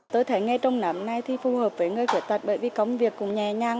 tôi thấy nghề trồng nấm này thì phù hợp với người khuyết tật bởi vì công việc cũng nhẹ nhàng